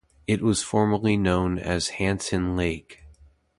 It was formerly known as 'Hanson lake'.